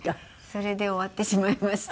それで終わってしまいました。